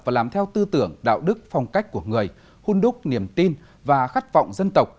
và làm theo tư tưởng đạo đức phong cách của người hôn đúc niềm tin và khát vọng dân tộc